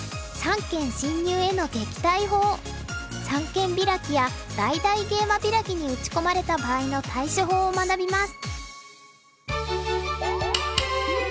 三間ビラキや大々ゲイマビラキに打ち込まれた場合の対処法を学びます。